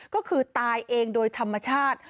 ก็คือตายเองโดยธรรมชาติ